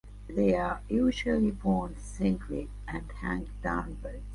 They are usually borne singly and hang downwards.